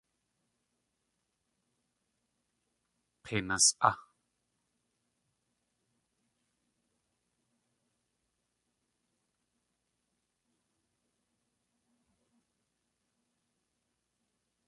K̲einas.á!